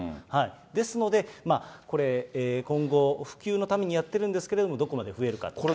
ですので、今後、普及のためにやってるんですけども、どこまで増えるかということ